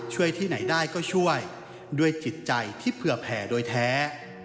ที่ไหนได้ก็ช่วยด้วยจิตใจที่เผื่อแผ่โดยแท้